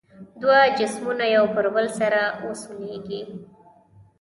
دوه جسمونه یو پر بل سره وسولیږي.